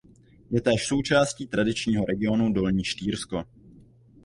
Je též součástí tradičního regionu Dolní Štýrsko.